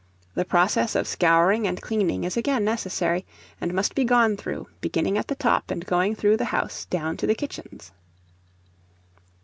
The process of scouring and cleaning is again necessary, and must be gone through, beginning at the top, and going through the house, down to the kitchens.